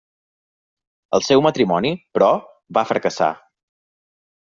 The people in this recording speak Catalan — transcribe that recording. El seu matrimoni, però, va fracassar.